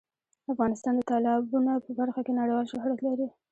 افغانستان د تالابونه په برخه کې نړیوال شهرت لري.